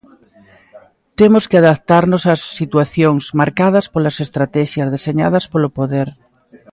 Temos que adaptarnos a situacións marcadas polas estratexias deseñadas polo poder.